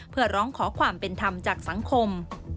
เพื่อร้องขอความเป็นธรรมจากสังคม